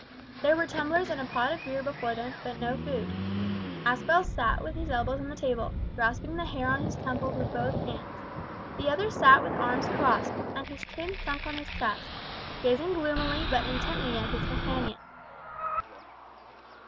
There were tumblers and a pot of beer before them, but no food. Aspel sat with his elbows on the table, grasping the hair on his temples with both hands. The other sat with arms crossed, and his chin sunk on his chest, gazing gloomily but intently at his companion.